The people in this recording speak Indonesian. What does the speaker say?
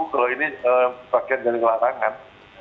kalau ini bagian dari larangan